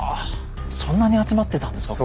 そんなに集まってたんですか？